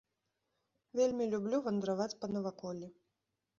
Вельмі люблю вандраваць па наваколлі.